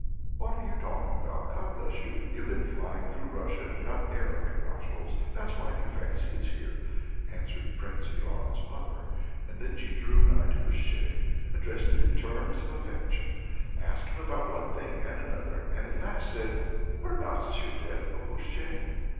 "What are you talking about, God bless you! You've been flying through Russia, and got the air up your nostrils, that's why you fancy it's here," answered Prince Ivan's mother, and then she drew nigh to Koshchei, addressed him in terms of affection, asked him about one thing and another, and at last said: "Whereabouts is your death, O Koshchei?"